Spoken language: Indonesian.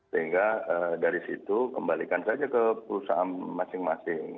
sehingga dari situ kembalikan saja ke perusahaan masing masing